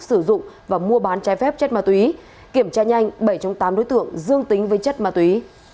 sử dụng và mua bán trái phép chất ma túy kiểm tra nhanh bảy trong tám đối tượng dương tính với chất ma túy